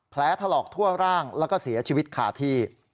แผลถลอกทั่วร่างแล้วก็เสียชีวิตคาที่